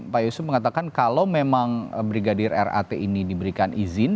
pak yusuf mengatakan kalau memang brigadir rat ini diberikan izin